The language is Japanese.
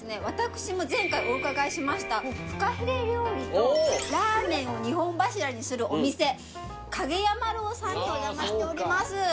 私も前回お伺いしましたふかひれ料理とラーメンを二本柱にするお店蔭山樓さんにお邪魔しております。